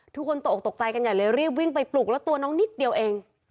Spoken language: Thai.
ทุกคนตกออกตกใจกันใหญ่เลยรีบวิ่งไปปลุกแล้วตัวน้องนิดเดียวเอง